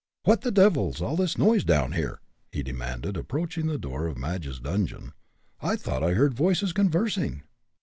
"What the devil's all the noise down here?" he demanded, approaching the door of Madge's dungeon. "I thought I heard voices conversing."